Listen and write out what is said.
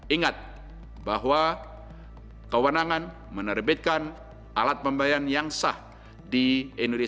ingat bahwa kewenangan menerbitkan alat pembayaran yang sah di indonesia